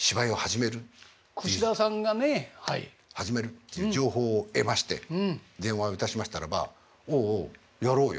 始めるっていう情報を得まして電話をいたしましたらば「おおおおやろうよ。